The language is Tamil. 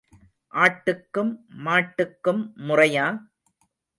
ஆட்டுக்கும் மாட்டுக்கும் முறையா?